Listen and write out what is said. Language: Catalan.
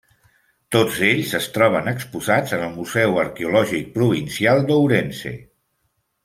Tots ells es troben exposats en el Museu Arqueològic Provincial d'Ourense.